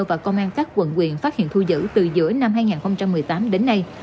và công an các quận quyện phát hiện thu giữ từ giữa năm hai nghìn một mươi tám đến nay